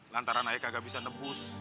lantaran ayah kagak bisa nebus